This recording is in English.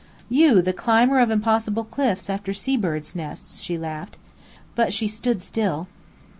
"You, the climber of impossible cliffs after sea birds' nests!" she laughed. But she stood still.